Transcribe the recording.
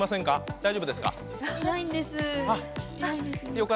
大丈夫ですか？